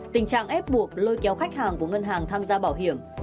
tình trạng ép buộc lôi kéo khách hàng của ngân hàng tham gia bảo hiểm